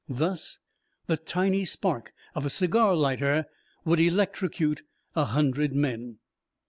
Thus, the tiny spark of a cigar lighter would electrocute a hundred men!"